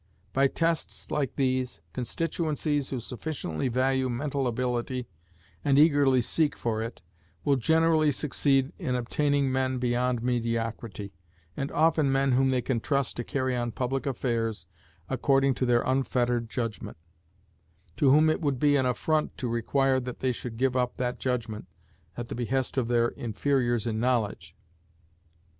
By tests like these, constituencies who sufficiently value mental ability, and eagerly seek for it, will generally succeed in obtaining men beyond mediocrity, and often men whom they can trust to carry on public affairs according to their unfettered judgment; to whom it would be an affront to require that they should give up that judgment at the behest of their inferiors in knowledge.